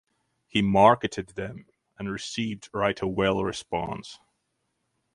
He Marketed them and received rather well response.